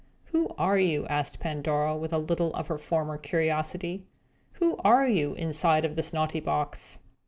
"Who are you?" asked Pandora, with a little of her former curiosity. "Who are you, inside of this naughty box?"